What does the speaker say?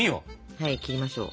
はい切りましょう。